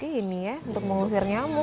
kayak gini ya untuk mengusir nyamuk